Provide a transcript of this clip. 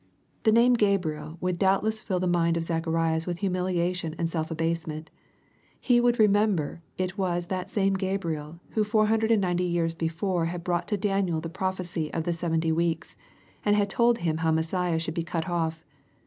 The name " Gabriel" would doubtless fill the mind ol Zacharias with humiliation and self abasement. He would remember it was that same Gabriel, who 490 years before had brought to Daniel the prophecy of the sev enty weeks, and had told him how Messiah should be cut off.